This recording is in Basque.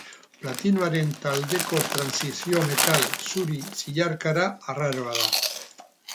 Platinoaren taldeko trantsizio-metal zuri zilarkara arraroa da.